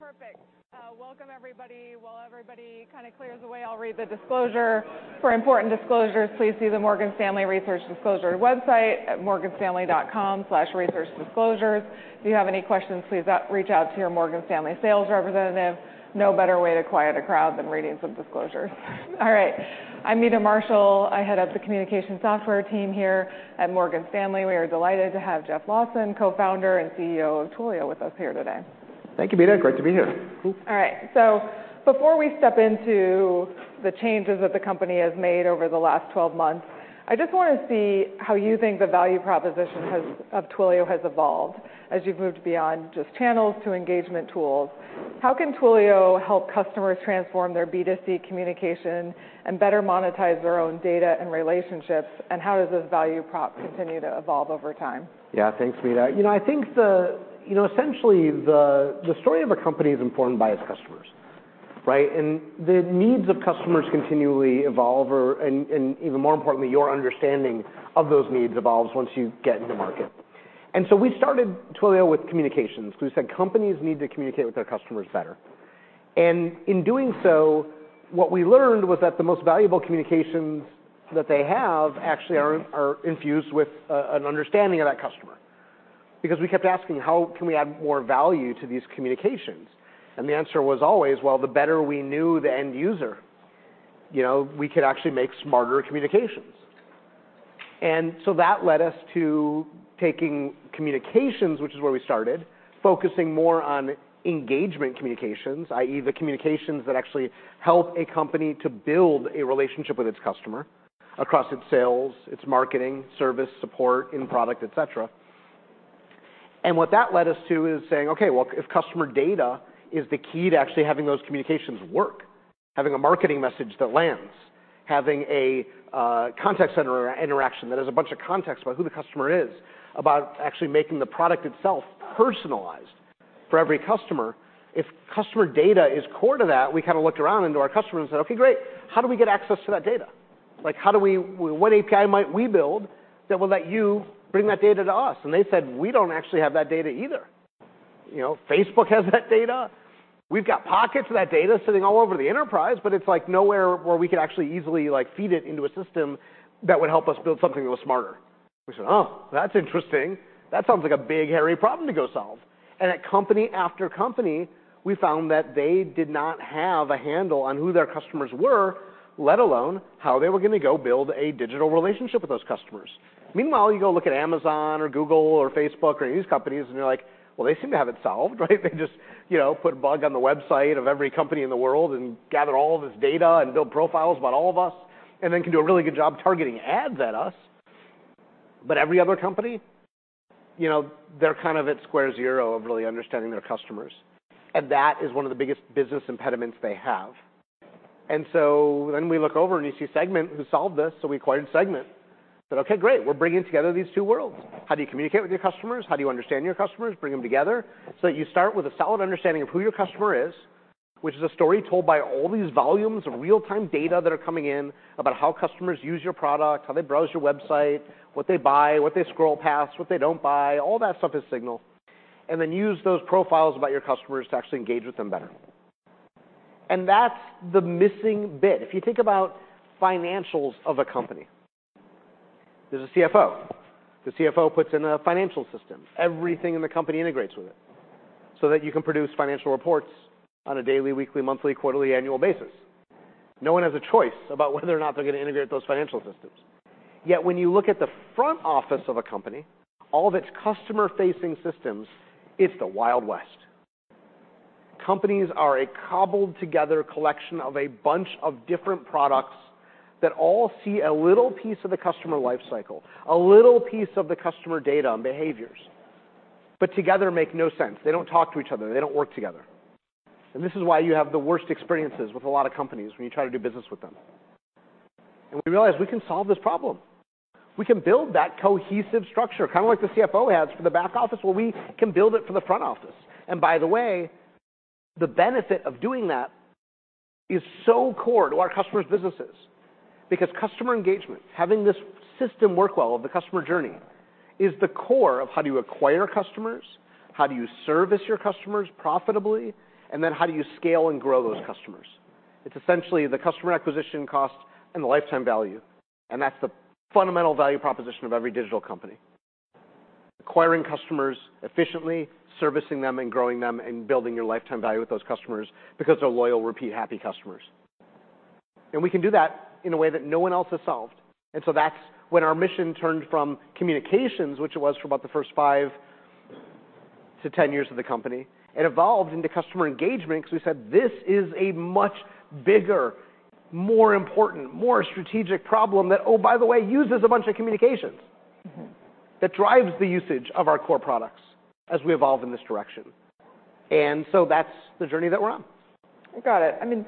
All right, perfect. Welcome everybody. While everybody kind of clears away, I'll read the disclosure. For important disclosures, please see the Morgan Stanley Research Disclosure website at morganstanley.com/researchdisclosures. If you have any questions, please reach out to your Morgan Stanley sales representative. No better way to quiet a crowd than reading some disclosures. All right, I'm Meta Marshall. I Head of the Communication Software Team here at Morgan Stanley. We are delighted to have Jeff Lawson, Co-Founder and CEO of Twilio, with us here today. Thank you, Meta. Great to be here. Before we step into the changes that the company has made over the last 12 months, I just want to see how you think the value proposition of Twilio has evolved as you've moved beyond just channels to engagement tools. How can Twilio help customers transform their B2C communication and better monetize their own data and relationships? How does this value prop continue to evolve over time? Yeah. Thanks, Meta. You know, I think the, you know, essentially, the story of a company is informed by its customers, right? The needs of customers continually evolve, and even more importantly, your understanding of those needs evolves once you get into market. We started Twilio with communications. We said companies need to communicate with their customers better. In doing so, what we learned was that the most valuable communications that they have actually are infused with an understanding of that customer. Because we kept asking, "How can we add more value to these communications?" The answer was always, well, the better we knew the end user, you know, we could actually make smarter communications. That led us to taking communications, which is where we started, focusing more on engagement communications, i.e., the communications that actually help a company to build a relationship with its customer across its sales, its marketing, service, support, in product, et cetera. What that led us to is saying, okay, well, if customer data is the key to actually having those communications work, having a contact center interaction that has a bunch of context about who the customer is, about actually making the product itself personalized for every customer. If customer data is core to that, we kinda looked around into our customers and said, "Okay, great. How do we get access to that data? Like, what API might we build that will let you bring that data to us?" They said, "We don't actually have that data either. You know, Facebook has that data. We've got pockets of that data sitting all over the enterprise, but it's like nowhere where we could actually easily, like, feed it into a system that would help us build something that was smarter." We said, "Oh, that's interesting. That sounds like a big, hairy problem to go solve." At company after company, we found that they did not have a handle on who their customers were, let alone how they were gonna go build a digital relationship with those customers. Meanwhile, you go look at Amazon or Google or Facebook or any of these companies, and you're like, "Well, they seem to have it solved," right? They just, you know, put a bug on the website of every company in the world and gather all this data and build profiles about all of us, and then can do a really good job targeting ads at us. Every other company, you know, they're kind of at square zero of really understanding their customers, and that is one of the biggest business impediments they have. We look over, and you see Segment who solved this, so we acquired Segment. Said, "Okay, great. We're bringing together these two worlds." How do you communicate with your customers? How do you understand your customers? Bring them together so that you start with a solid understanding of who your customer is, which is a story told by all these volumes of real-time data that are coming in about how customers use your product, how they browse your website, what they buy, what they scroll past, what they don't buy. All that stuff is signal. Then use those profiles about your customers to actually engage with them better. That's the missing bit. If you think about financials of a company, there's a CFO. The CFO puts in a financial system. Everything in the company integrates with it so that you can produce financial reports on a daily, weekly, monthly, quarterly, annual basis. No one has a choice about whether or not they're gonna integrate those financial systems. When you look at the front office of a company, all of its customer-facing systems, it's the Wild West. Companies are a cobbled-together collection of a bunch of different products that all see a little piece of the customer life cycle, a little piece of the customer data and behaviors, together make no sense. They don't talk to each other. They don't work together. This is why you have the worst experiences with a lot of companies when you try to do business with them. We realized we can solve this problem. We can build that cohesive structure, kind of like the CFO has for the back office, well, we can build it for the front office. By the way, the benefit of doing that is so core to our customers' businesses because customer engagement, having this system work well of the customer journey, is the core of how do you acquire customers, how do you service your customers profitably, then how do you scale and grow those customers. It's essentially the customer acquisition cost and the lifetime value, that's the fundamental value proposition of every digital company. Acquiring customers efficiently, servicing them and growing them, and building your lifetime value with those customers because they're loyal, repeat, happy customers. We can do that in a way that no one else has solved. That's when our mission turned from communications, which it was for about the first five to 10 years of the company. It evolved into customer engagement because we said, "This is a much bigger, more important, more strategic problem that, oh, by the way, uses a bunch of communications that drives the usage of our core products as we evolve in this direction." That's the journey that we're on. Got it. I mean,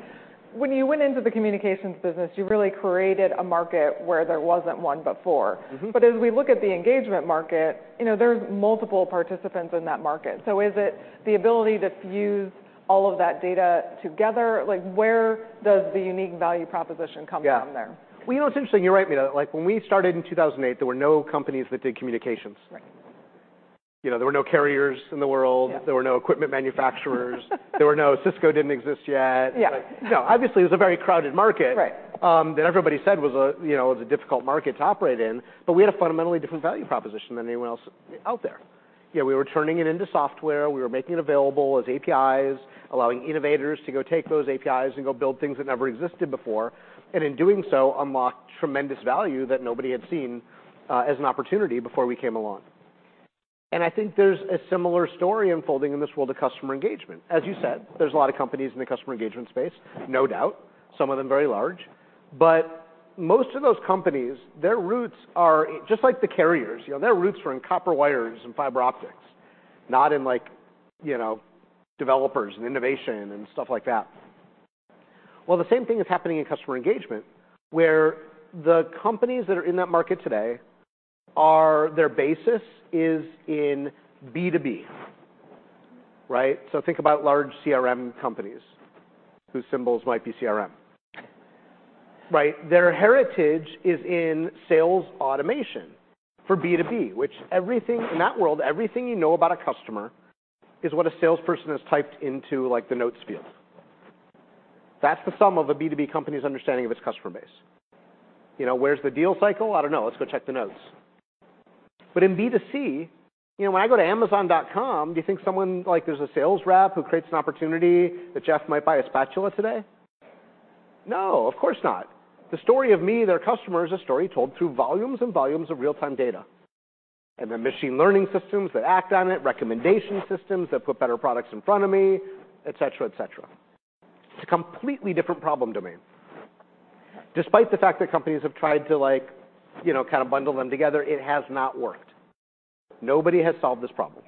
when you went into the communications business, you really created a market where there wasn't one before. As we look at the engagement market, you know, there's multiple participants in that market. Is it the ability to fuse all of that data together? Like, where does the unique value proposition come from there? Yeah. Well, you know, it's interesting. You're right, Meta. Like, when we started in 2008, there were no companies that did communications. Right. You know, there were no carriers in the world. Yeah. There were no equipment manufacturers. There were no. Cisco didn't exist yet. Yeah. No, obviously, it was a very crowded market. Right That everybody said was a, you know, was a difficult market to operate in. We had a fundamentally different value proposition than anyone else out there. You know, we were turning it into software. We were making it available as APIs, allowing innovators to go take those APIs and go build things that never existed before, and in doing so, unlocked tremendous value that nobody had seen as an opportunity before we came along. I think there's a similar story unfolding in this world of customer engagement. As you said, there's a lot of companies in the customer engagement space, no doubt, some of them very large. Most of those companies, their roots are just like the carriers. You know, their roots are in copper wires and fiber optics, not in like, you know, developers and innovation and stuff like that. Well, the same thing is happening in customer engagement, where the companies that are in that market today, their basis is in B2B, right? Think about large CRM companies whose symbols might be CRM, right? Their heritage is in sales automation for B2B, which in that world, everything you know about a customer is what a salesperson has typed into, like, the notes field. That's the sum of a B2B company's understanding of its customer base. You know, where's the deal cycle? I don't know. Let's go check the notes. In B2C, you know, when I go to amazon.com, do you think like there's a sales rep who creates an opportunity that Jeff might buy a spatula today? No, of course not. The story of me, their customer, is a story told through volumes and volumes of real-time data and the machine learning systems that act on it, recommendation systems that put better products in front of me, et cetera, et cetera. It's a completely different problem domain. Despite the fact that companies have tried to like, you know, kind of bundle them together, it has not worked. Nobody has solved this problem.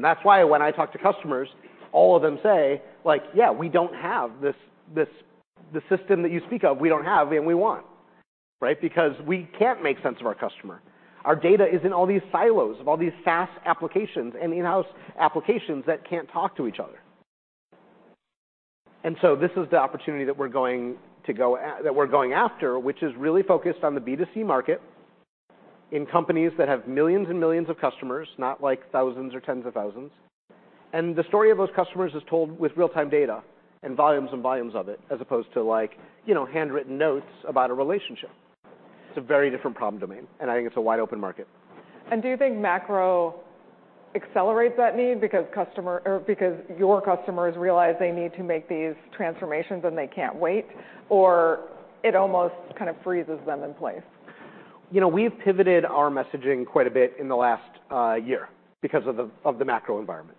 That's why when I talk to customers, all of them say, like, "Yeah, we don't have this, the system that you speak of, we don't have and we want," right? "Because we can't make sense of our customer. Our data is in all these silos of all these SaaS applications and in-house applications that can't talk to each other. This is the opportunity that we're going after, which is really focused on the B2C market in companies that have millions and millions of customers, not like thousands or tens of thousands. The story of those customers is told with real-time data and volumes and volumes of it, as opposed to like, you know, handwritten notes about a relationship. It's a very different problem domain, and I think it's a wide-open market. Do you think macro accelerates that need because your customers realize they need to make these transformations and they can't wait? Or it almost kind of freezes them in place? You know, we've pivoted our messaging quite a bit in the last year because of the, of the macro environment.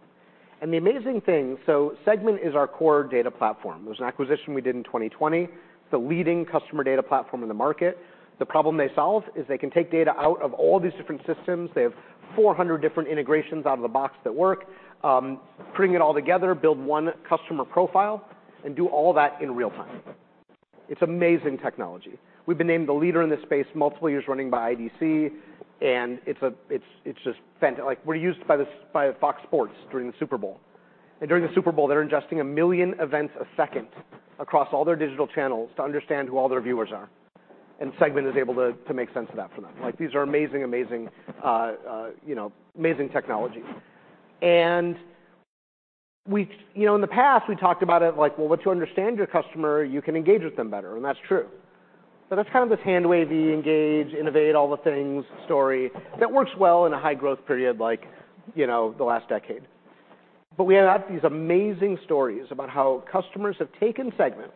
Segment is our core customer data platform. It was an acquisition we did in 2020. It's the leading customer data platform in the market. The problem they solve is they can take data out of all these different systems. They have 400 different integrations out of the box that work. Putting it all together, build one customer profile, and do all that in real time. It's amazing technology. We've been named the leader in this space multiple years running by IDC. Like, we're used by Fox Sports during the Super Bowl. During the Super Bowl, they're ingesting 1 million events a second across all their digital channels to understand who all their viewers are. Segment is able to make sense of that for them. These are amazing, you know, amazing technology. We, you know, in the past, we talked about it like, well, once you understand your customer, you can engage with them better, and that's true. That's kind of this hand-wavy, Engage, innovate all the things story that works well in a high-growth period like, you know, the last decade. We have these amazing stories about how customers have taken Segment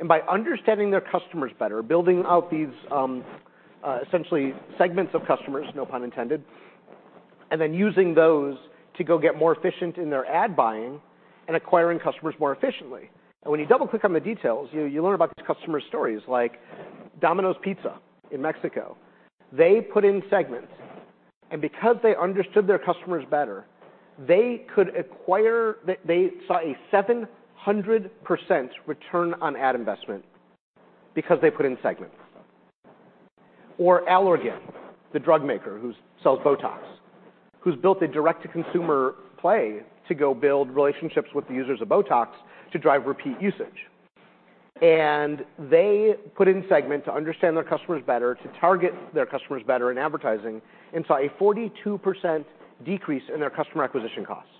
and, by understanding their customers better, building out these, essentially segments of customers, no pun intended, and then using those to go get more efficient in their ad buying and acquiring customers more efficiently. When you double-click on the details, you learn about these customer stories like Domino's Pizza in Mexico. They put in Segment, and because they understood their customers better, they saw a 700% return on ad investment because they put in Segment. Allergan, the drug maker who sells BOTOX, who's built a direct-to-consumer play to go build relationships with the users of BOTOX to drive repeat usage. They put in Segment to understand their customers better, to target their customers better in advertising, and saw a 42% decrease in their customer acquisition costs.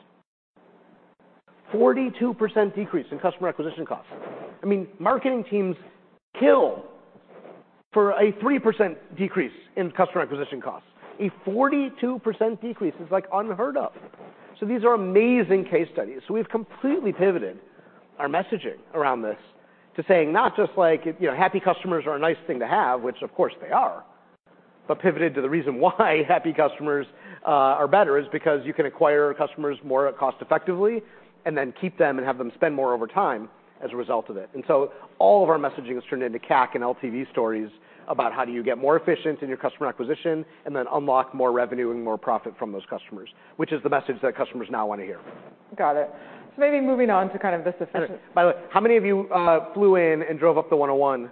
42% decrease in customer acquisition costs. I mean, marketing teams kill for a 3% decrease in customer acquisition costs. A 42% decrease is, like, unheard of. These are amazing case studies. We've completely pivoted our messaging around this to saying not just like, you know, happy customers are a nice thing to have, which of course they are, but pivoted to the reason why happy customers are better is because you can acquire customers more cost-effectively and then keep them and have them spend more over time as a result of it. All of our messaging has turned into CAC and LTV stories about how do you get more efficient in your customer acquisition and then unlock more revenue and more profit from those customers, which is the message that customers now wanna hear. Got it. maybe moving on to kind of this efficient- By the way, how many of you flew in and drove up the 101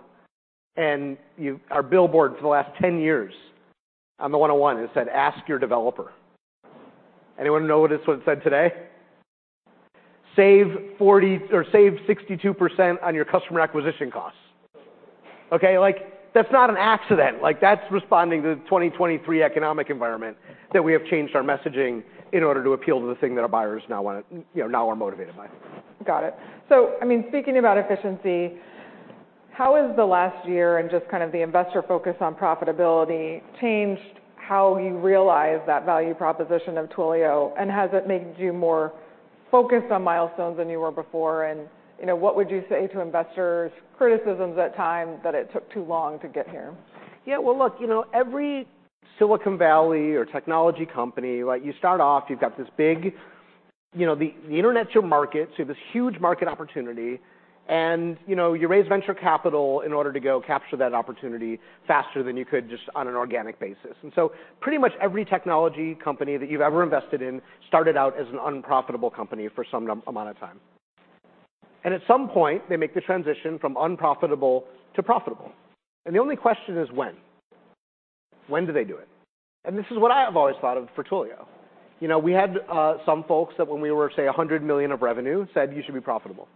and our billboard for the last 10 years on the 101, it said, "Ask your developer"? Anyone know what it said today? Save 40 or save 62% on your customer acquisition costs. Okay, like that's not an accident. Like that's responding to the 2023 economic environment that we have changed our messaging in order to appeal to the thing that our buyers now want to, you know, now are motivated by. Got it. I mean, speaking about efficiency, how has the last year and just kind of the investor focus on profitability changed how you realize that value proposition of Twilio, and has it made you more focused on milestones than you were before? You know, what would you say to investors' criticisms at times that it took too long to get here? Yeah, well, look, you know, every Silicon Valley or technology company, like you start off, you've got this big, you know, the Internet's your market, so you have this huge market opportunity, and, you know, you raise venture capital in order to go capture that opportunity faster than you could just on an organic basis. Pretty much every technology company that you've ever invested in started out as an unprofitable company for some amount of time. At some point, they make the transition from unprofitable to profitable. The only question is when. When do they do it? This is what I have always thought of for Twilio. You know, we had some folks that when we were, say, $100 million of revenue, said, "You should be profitable."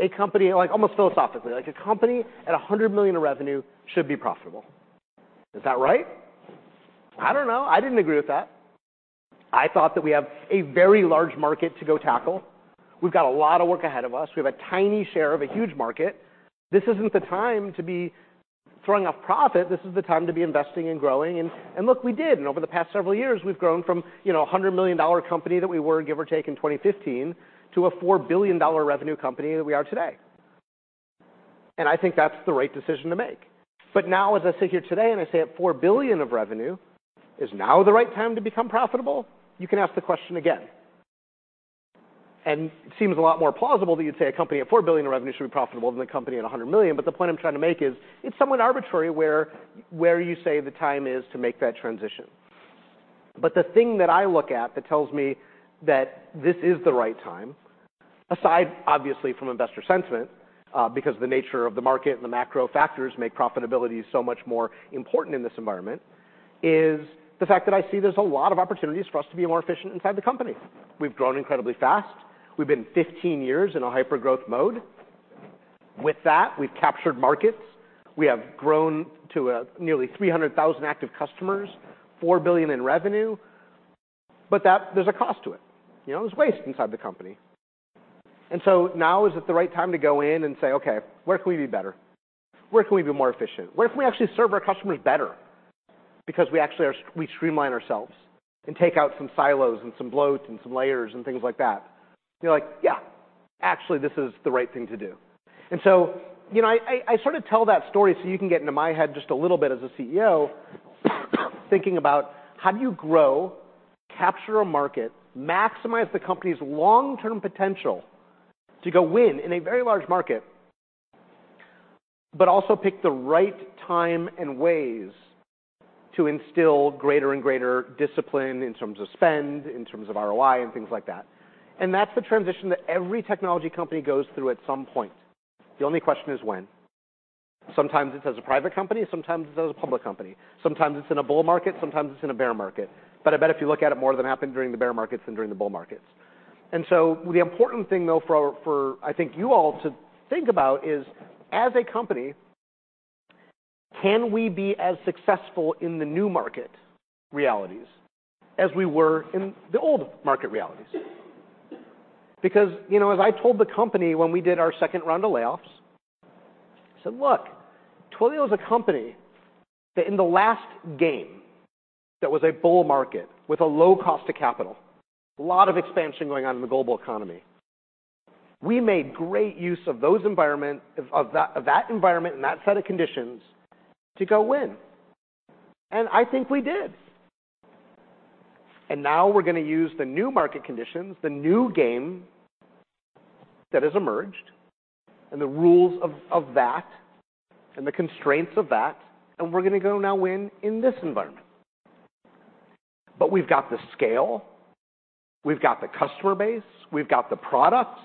A company like almost philosophically, like a company at $100 million of revenue should be profitable. Is that right? I don't know. I didn't agree with that. I thought that we have a very large market to go tackle. We've got a lot of work ahead of us. We have a tiny share of a huge market. This isn't the time to be throwing off profit. This is the time to be investing and growing and look, we did. Over the past several years, we've grown from, you know, a $100 million company that we were, give or take, in 2015 to a $4 billion revenue company that we are today. I think that's the right decision to make. Now as I sit here today, and I say at $4 billion of revenue, is now the right time to become profitable? You can ask the question again. It seems a lot more plausible that you'd say a company at $100 million. The point I'm trying to make is it's somewhat arbitrary where you say the time is to make that transition. The thing that I look at that tells me that this is the right time, aside obviously from investor sentiment, because the nature of the market and the macro factors make profitability so much more important in this environment, is the fact that I see there's a lot of opportunities for us to be more efficient inside the company. We've grown incredibly fast. We've been 15 years in a hyper-growth mode. With that, we've captured markets. We have grown to nearly 300,000 active customers, $4 billion in revenue. There's a cost to it. You know, there's waste inside the company. Now, is it the right time to go in and say, "Okay, where can we be better? Where can we be more efficient? Where can we actually serve our customers better because we actually streamline ourselves and take out some silos and some bloat and some layers and things like that?" You're like, "Yeah, actually, this is the right thing to do." You know, I sort of tell that story so you can get into my head just a little bit as a CEO, thinking about how do you grow, capture a market, maximize the company's long-term potential to go win in a very large market, but also pick the right time and ways to instill greater and greater discipline in terms of spend, in terms of ROI and things like that. That's the transition that every technology company goes through at some point. The only question is when. Sometimes it's as a private company, sometimes it's as a public company. Sometimes it's in a bull market, sometimes it's in a bear market. I bet if you look at it more than happened during the bear markets than during the bull markets. The important thing, though, for I think you all to think about is, as a company, can we be as successful in the new market realities as we were in the old market realities? you know, as I told the company when we did our second round of layoffs, I said, "Look, Twilio is a company that in the last game, that was a bull market with a low cost of capital, a lot of expansion going on in the global economy. We made great use of that environment and that set of conditions to go win. I think we did. Now we're gonna use the new market conditions, the new game that has emerged and the rules of that and the constraints of that, and we're gonna go now win in this environment. We've got the scale, we've got the customer base, we've got the products,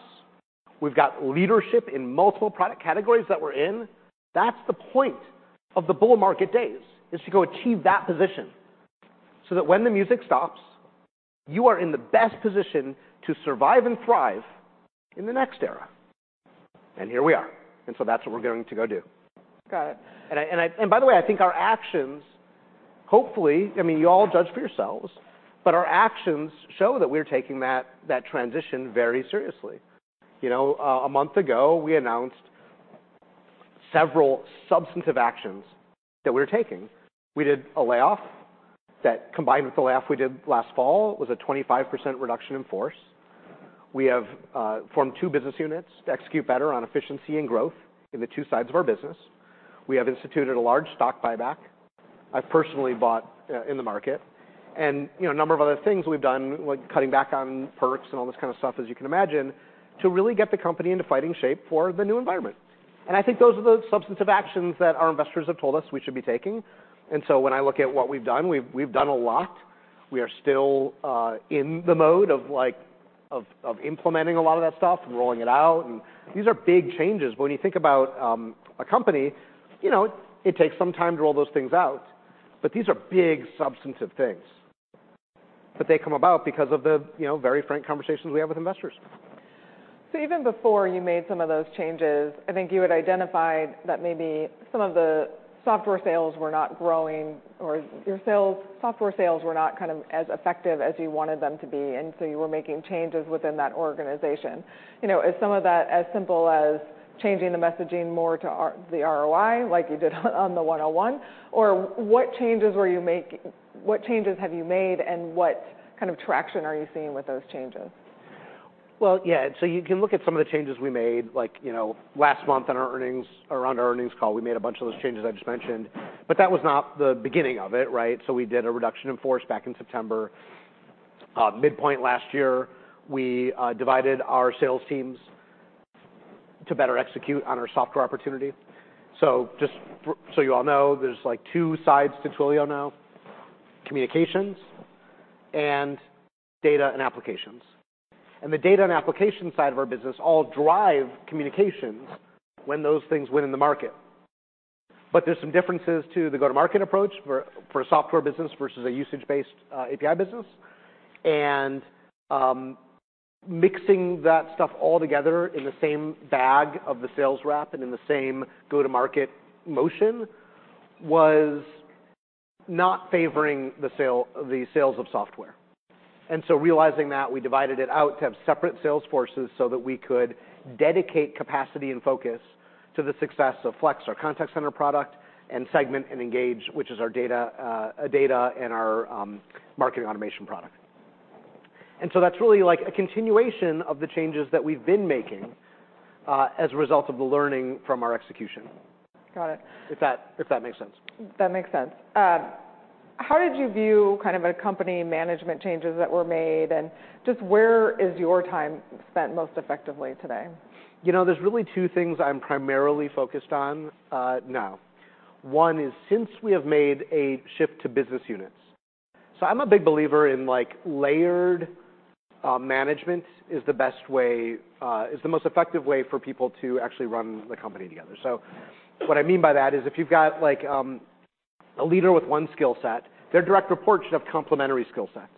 we've got leadership in multiple product categories that we're in. That's the point of the bull market days, is to go achieve that position so that when the music stops, you are in the best position to survive and thrive in the next era. Here we are. That's what we're going to go do. Got it. By the way, I think our actions hopefully, I mean, you all judge for yourselves, but our actions show that we're taking that transition very seriously. You know, a month ago, we announced several substantive actions that we're taking. We did a layoff that combined with the layoff we did last fall, was a 25% reduction in force. We have formed two business units to execute better on efficiency and growth in the two sides of our business. We have instituted a large stock buyback. I personally bought in the market and, you know, a number of other things we've done, like cutting back on perks and all this kind of stuff, as you can imagine, to really get the company into fighting shape for the new environment. I think those are the substantive actions that our investors have told us we should be taking. When I look at what we've done, we've done a lot. We are still in the mode of like, of implementing a lot of that stuff and rolling it out. These are big changes. When you think about a company, you know, it takes some time to roll those things out. These are big, substantive things. But they come about because of the, you know, very frank conversations we have with investors. Even before you made some of those changes, I think you had identified that maybe some of the software sales were not growing or software sales were not kind of as effective as you wanted them to be, and so you were making changes within that organization. You know, is some of that as simple as changing the messaging more to the ROI like you did on the 101? What changes have you made and what kind of traction are you seeing with those changes? Well, yeah. You can look at some of the changes we made, like, you know, last month in our earnings or on our earnings call, we made a bunch of those changes I just mentioned, but that was not the beginning of it, right? We did a reduction in force back in September. Midpoint last year, we divided our sales teams to better execute on our software opportunity. You all know, there's, like, two sides to Twilio now, communications and data and applications. The data and application side of our business all drive communications when those things win in the market. There's some differences to the go-to-market approach for a software business versus a usage-based API business. Mixing that stuff all together in the same bag of the sales rep and in the same go-to-market motion was not favoring the sales of software. Realizing that, we divided it out to have separate sales forces so that we could dedicate capacity and focus to the success of Flex, our contact center product, and Segment and Engage, which is our data and our marketing automation product. That's really like a continuation of the changes that we've been making as a result of the learning from our execution. Got it. If that makes sense? That makes sense. How did you view kind of a company management changes that were made, and just where is your time spent most effectively today? You know, there's really two things I'm primarily focused on, now. One is since we have made a shift to business units... I'm a big believer in, like, layered, management is the best way, is the most effective way for people to actually run the company together. What I mean by that is if you've got, like, a leader with one skill set, their direct report should have complementary skill sets.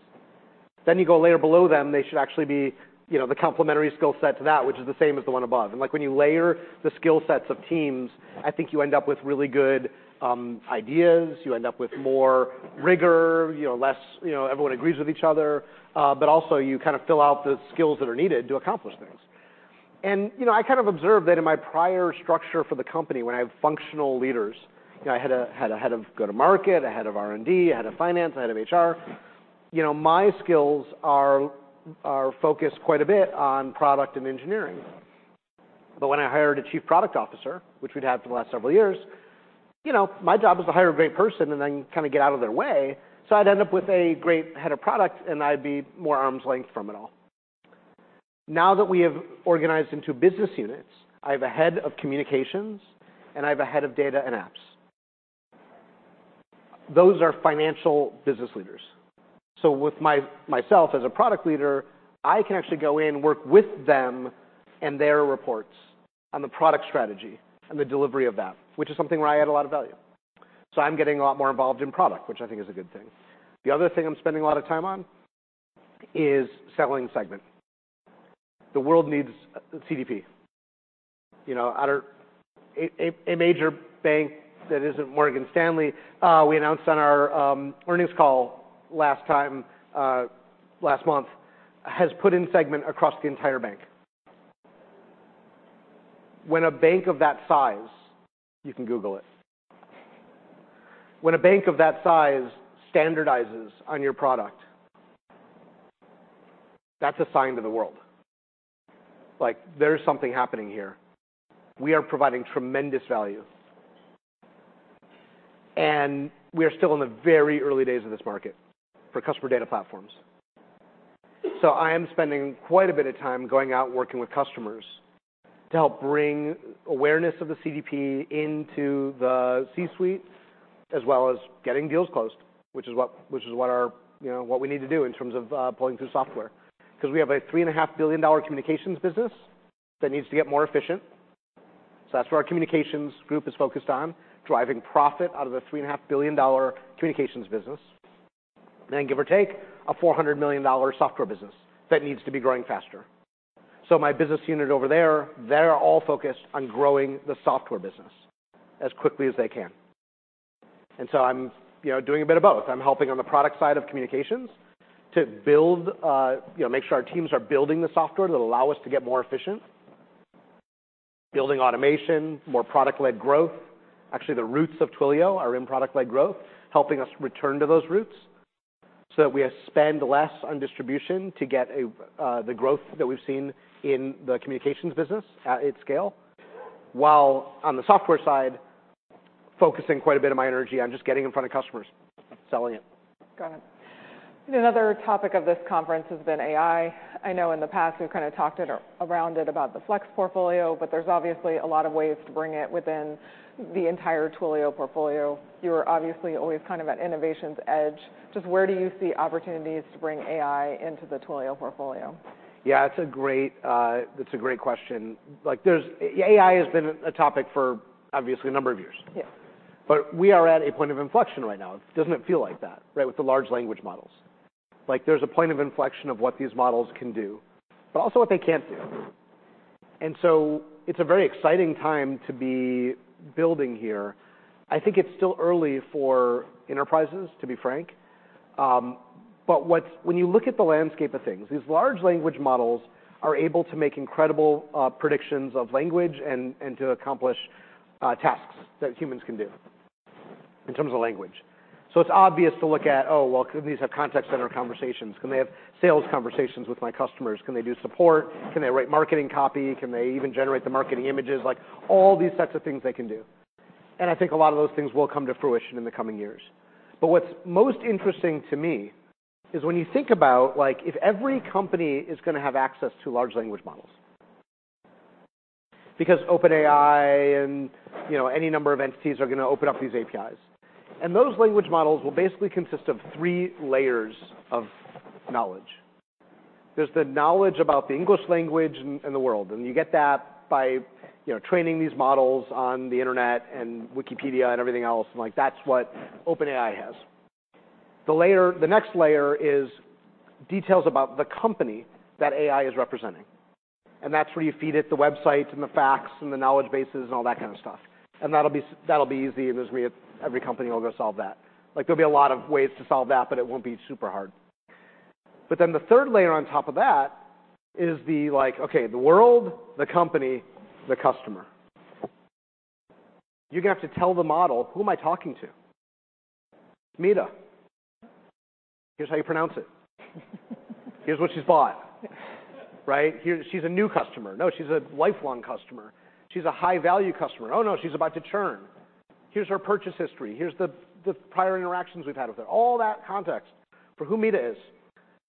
Then you go a layer below them, they should actually be, you know, the complementary skill set to that, which is the same as the one above. When you layer the skill sets of teams, I think you end up with really good ideas, you end up with more rigor, you know, less, you know, everyone agrees with each other, but also you kind of fill out the skills that are needed to accomplish things. You know, I kind of observed that in my prior structure for the company when I have functional leaders, you know, I had a head of go-to-market, a head of R&D, a head of finance, a head of HR. You know, my skills are focused quite a bit on product and engineering. When I hired a Chief Product Officer, which we'd had for the last several years, you know, my job was to hire a great person and then kind of get out of their way, so I'd end up with a great head of product, and I'd be more arm's length from it all. Now that we have organized into business units, I have a head of communications, and I have a head of data and apps. Those are financial business leaders. With myself as a product leader, I can actually go in, work with them and their reports on the product strategy and the delivery of that, which is something where I add a lot of value. I'm getting a lot more involved in product, which I think is a good thing. The other thing I'm spending a lot of time on is selling Segment. The world needs CDP. You know, at a major bank that isn't Morgan Stanley, we announced on our earnings call last time, last month, has put in Segment across the entire bank. When a bank of that size. You can Google it. When a bank of that size standardizes on your product, that's a sign to the world. Like, there is something happening here. We are providing tremendous value. We are still in the very early days of this market for customer data platforms. I am spending quite a bit of time going out working with customers to help bring awareness of the CDP into the C-suite, as well as getting deals closed, which is what our, you know, what we need to do in terms of pulling through software. We have a $3.5 billion communications business that needs to get more efficient. That's where our communications group is focused on, driving profit out of the $3.5 Billion communications business, and give or take, a $400 million software business that needs to be growing faster. My business unit over there, they're all focused on growing the software business as quickly as they can. I'm, you know, doing a bit of both. I'm helping on the product side of communications to build, you know, make sure our teams are building the software that'll allow us to get more efficient, building automation, more product-led growth. Actually, the roots of Twilio are in product-led growth, helping us return to those roots so that we spend less on distribution to get a, the growth that we've seen in the communications business at its scale. While on the software side, focusing quite a bit of my energy on just getting in front of customers, selling it. Got it. Another topic of this conference has been AI. I know in the past we've kind of talked it around it about the Flex portfolio. There's obviously a lot of ways to bring it within the entire Twilio portfolio. You're obviously always kind of at innovation's edge. Where do you see opportunities to bring AI into the Twilio portfolio? Yeah, it's a great question. AI has been a topic for obviously a number of years. Yeah. We are at a point of inflection right now. Doesn't it feel like that, right? With the large language models. Like there's a point of inflection of what these models can do, but also what they can't do. It's a very exciting time to be building here. I think it's still early for enterprises, to be frank. When you look at the landscape of things, these large language models are able to make incredible predictions of language and to accomplish tasks that humans can do in terms of language. It's obvious to look at, oh, well, could these have contact center conversations? Can they have sales conversations with my customers? Can they do support? Can they write marketing copy? Can they even generate the marketing images? Like, all these types of things they can do. I think a lot of those things will come to fruition in the coming years. What's most interesting to me is when you think about, like, if every company is gonna have access to large language models, because OpenAI and, you know, any number of entities are gonna open up these APIs. Those language models will basically consist of three layers of knowledge. There's the knowledge about the English language and the world, and you get that by, you know, training these models on the internet and Wikipedia and everything else, and, like, that's what OpenAI has. The next layer is details about the company that AI is representing, and that's where you feed it the websites and the facts and the knowledge bases and all that kind of stuff. That'll be that'll be easy, there's gonna be every company will go solve that. Like, there'll be a lot of ways to solve that, but it won't be super hard. Then the third layer on top of that is the, like, okay, the world, the company, the customer. You're gonna have to tell the model, "Who am I talking to? Meta. Here's how you pronounce it. Here's what she's bought." Right? "She's a new customer. No, she's a lifelong customer. She's a high-value customer. Oh, no, she's about to churn. Here's her purchase history. Here's the prior interactions we've had with her." All that context for who Meta is,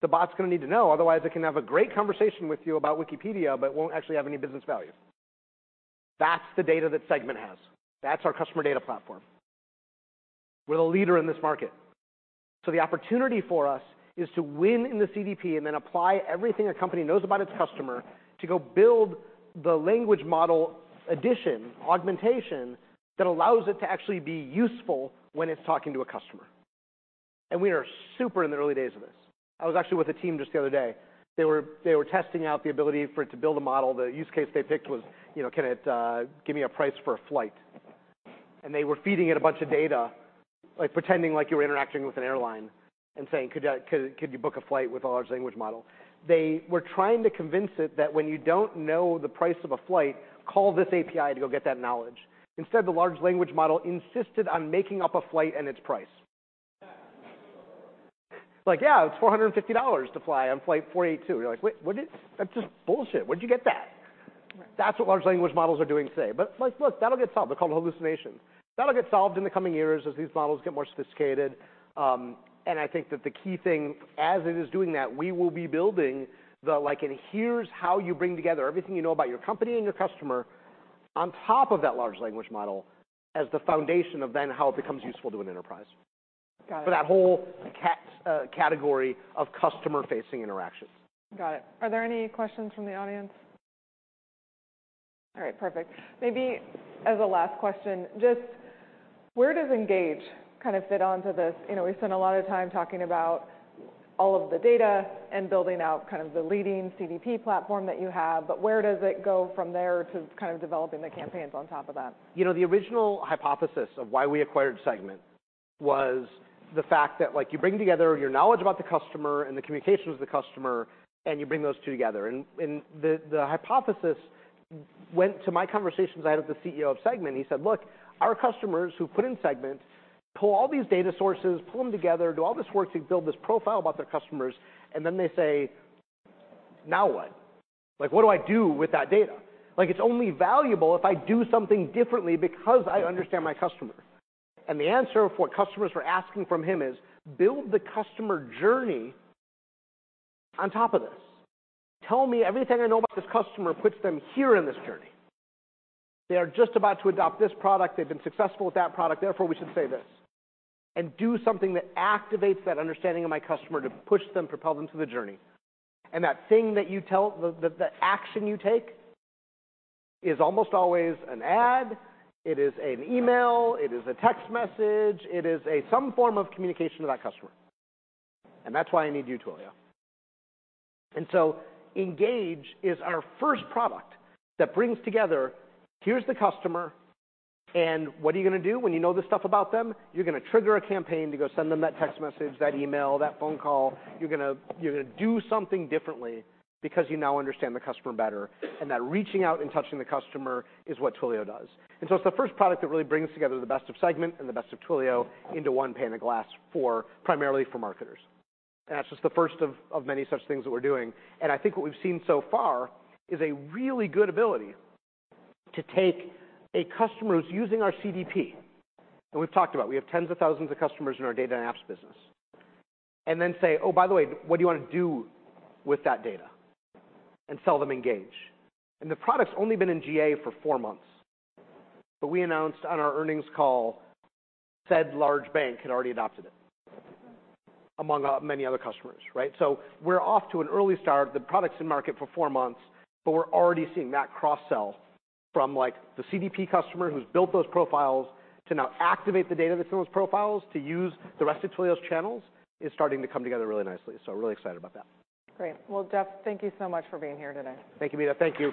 the bot's gonna need to know, otherwise it can have a great conversation with you about Wikipedia, but won't actually have any business value. That's the data that Segment has. That's our customer data platform. We're the leader in this market. The opportunity for us is to win in the CDP and then apply everything a company knows about its customer to go build the language model addition, augmentation, that allows it to actually be useful when it's talking to a customer. We are super in the early days of this. I was actually with a team just the other day. They were testing out the ability for it to build a model. The use case they picked was, you know, can it give me a price for a flight? They were feeding it a bunch of data, like, pretending like you were interacting with an airline and saying, "Could you book a flight with a large language model?" They were trying to convince it that when you don't know the price of a flight, call this API to go get that knowledge. Instead, the large language model insisted on making up a flight and its price. Like, yeah, it's $450 to fly on flight 482. You're like, "Wait, that's just bullshit. Where'd you get that? Right. That's what large language models are doing today. Like, look, that'll get solved. They're called hallucinations. That'll get solved in the coming years as these models get more sophisticated. I think that the key thing, as it is doing that, we will be building the like, here's how you bring together everything you know about your company and your customer on top of that large language model as the foundation of then how it becomes useful to an enterprise. Got it. For that whole category of customer-facing interaction. Got it. Are there any questions from the audience? All right, perfect. Maybe as a last question, just where does Engage kind of fit onto this? You know, we spent a lot of time talking about all of the data and building out kind of the leading CDP platform that you have, but where does it go from there to kind of developing the campaigns on top of that? You know, the original hypothesis of why we acquired Segment was the fact that, like, you bring together your knowledge about the customer and the communication with the customer. You bring those two together. The hypothesis went to my conversations I had with the CEO of Segment. He said, "Look, our customers who put in Segment pull all these data sources, pull them together, do all this work to build this profile about their customers, and then they say, 'Now what? Like, what do I do with that data? Like, it's only valuable if I do something differently because I understand my customer.'" The answer of what customers were asking from him is, "Build the customer journey on top of this. Tell me everything I know about this customer puts them here in this journey. They are just about to adopt this product. They've been successful with that product, therefore we should say this. Do something that activates that understanding of my customer to push them, propel them through the journey. That thing that you tell, the action you take is almost always an ad, it is an email, it is a text message, it is a some form of communication to that customer. That's why I need you, Twilio. Engage is our first product that brings together, here's the customer, and what are you gonna do when you know this stuff about them? You're gonna trigger a campaign to go send them that text message, that email, that phone call. You're gonna do something differently because you now understand the customer better, and that reaching out and touching the customer is what Twilio does. It's the first product that really brings together the best of Segment and the best of Twilio into one pane of glass for, primarily for marketers. That's just the first of many such things that we're doing. I think what we've seen so far is a really good ability to take a customer who's using our CDP, and we've talked about, we have tens of thousands of customers in our data and apps business, and then say, "Oh, by the way, what do you wanna do with that data?" sell them Engage. The product's only been in GA for four months, but we announced on our earnings call said large bank had already adopted it among many other customers, right? We're off to an early start. The product's in market for four months, but we're already seeing that cross-sell from, like, the CDP customer who's built those profiles to now activate the data that's in those profiles to use the rest of Twilio's channels is starting to come together really nicely. Really excited about that. Great. Well, Jeff, thank you so much for being here today. Thank you, Meta. Thank you.